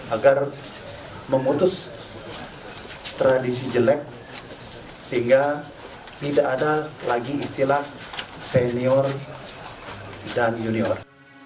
agar memutus tradisi jelek sehingga tidak ada lagi istilah senior dan junior